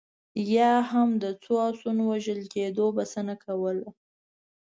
یا هم د څو اسونو وژل کېدو بسنه کوله.